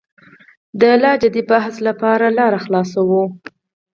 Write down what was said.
د لا جدي بحث لپاره لاره پرانیزو.